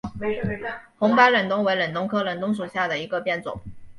红白忍冬为忍冬科忍冬属下的一个变种。